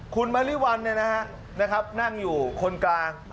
คุณมะลิวัลนี่นะครับนั่งอยู่คนกลาง